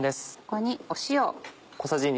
ここに塩。